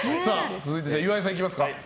続いて岩井さん、いきますか。